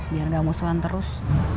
biar gak musuhan terus